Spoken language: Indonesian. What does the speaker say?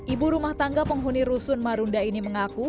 ibu rumah tangga penghuni rusun marunda ini mengaku